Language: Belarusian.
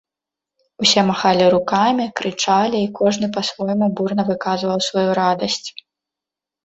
Усе махалі рукамі, крычалі і кожны па-свойму бурна выказваў сваю радасць.